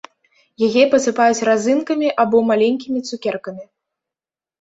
Яе пасыпаюць разынкамі або маленькімі цукеркамі.